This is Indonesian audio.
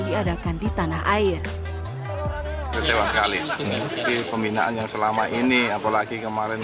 diadakan di tanah air kecewa sekali di pembinaan yang selama ini apalagi kemarin